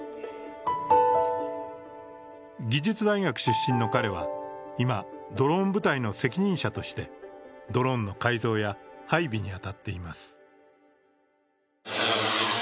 技術大学出身の彼は今、ドローン部隊の責任者としてドローンの改造や配備に当たっています。